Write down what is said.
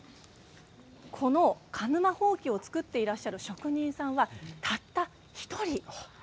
さらに鹿沼ほうきを作ってらっしゃる職人はたった１人。